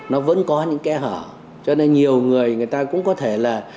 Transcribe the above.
nó vẫn có những kẽ hở cho nên nhiều người người ta cũng có thể là